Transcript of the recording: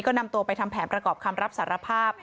ก็นำตัวไปทำแผนประกอบคำรับสารภาพ